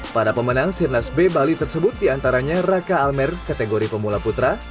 pada pemenang sirnas b bali tersebut diantaranya raka almer kategori pemula putra